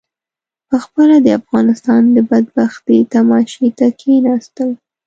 پخپله د افغانستان د بدبختۍ تماشې ته کېنستل.